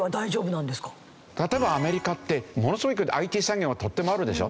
例えばアメリカってものすごい勢いでＩＴ産業がとってもあるでしょ。